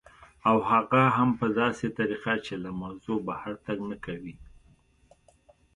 او هغه هم په داسې طریقه چې له موضوع بهر تګ نه کوي